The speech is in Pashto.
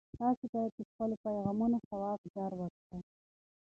تاسي باید د خپلو پیغامونو ځواب ژر ورکړئ.